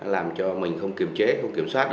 làm cho mình không kiểm trế không kiểm soát